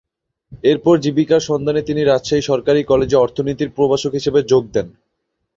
এরপর জীবিকার সন্ধানে তিনি রাজশাহী সরকারি কলেজে অর্থনীতির প্রভাষক হিসেবে যোগ দেন।